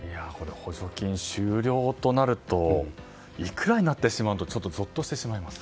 補助金終了となるといくらになってしまうのかとちょっとぞっとしてしまいます。